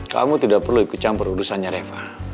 kamu tidak perlu ikut campur urusannya reva